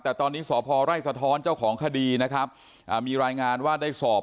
แต่ตอนนี้สอบพรไลฟ์สาธารณ์เจ้าของคดีมีรายงานว่าได้สอบ